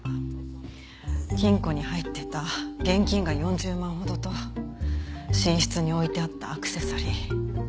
金庫に入ってた現金が４０万ほどと寝室に置いてあったアクセサリー。